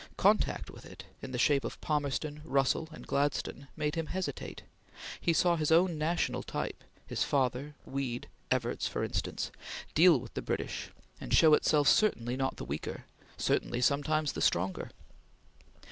Contact with it, in the shape of Palmerston, Russell, and Gladstone, made him hesitate; he saw his own national type his father, Weed, Evarts, for instance deal with the British, and show itself certainly not the weaker; certainly sometimes the stronger.